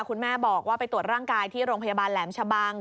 คุณแม่บอกว่าไปตรวจร่างกายที่โรงพยาบาลแหลมชะบัง